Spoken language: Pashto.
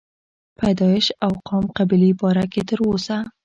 پيدائش او قام قبيلې باره کښې تر اوسه